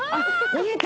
見えた。